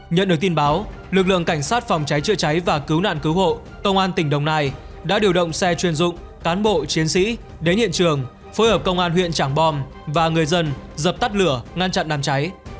nhận được tin báo lực lượng cảnh sát phòng cháy chữa cháy và cứu nạn cứu hộ công an tỉnh đồng nai đã điều động xe chuyên dụng cán bộ chiến sĩ đến hiện trường phối hợp công an huyện trảng bom và người dân dập tắt lửa ngăn chặn đám cháy